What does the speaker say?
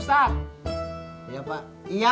tidak ada kerja